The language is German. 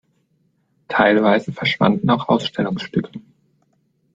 Teilweise verschwanden auch Ausstellungsstücke.